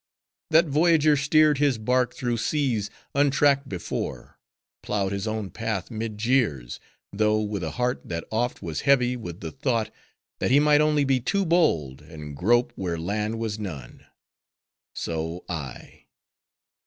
That voyager steered his bark through seas, untracked before; ploughed his own path mid jeers; though with a heart that oft was heavy with the thought, that he might only be too bold, and grope where land was none. So I.